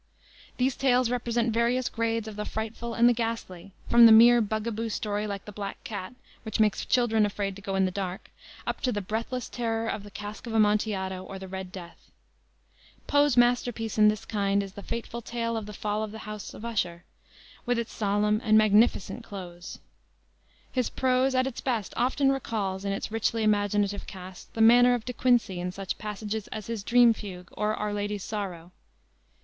These tales represent various grades of the frightful and the ghastly, from the mere bug a boo story like the Black Cat, which makes children afraid to go in the dark, up to the breathless terror of the Cask of Amontillado, or the Red Death. Poe's masterpiece in this kind is the fateful tale of the Fall of the House of Usher, with its solemn and magnificent close. His prose, at its best, often recalls, in its richly imaginative cast, the manner of De Quincey in such passages as his Dream Fugue, or Our Ladies of Sorrow.